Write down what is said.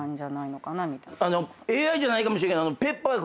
ＡＩじゃないかもしれないけど。